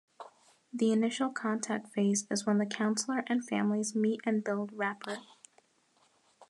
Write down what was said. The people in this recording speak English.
The initial contact phase is when the counselor and families meet and build rapport.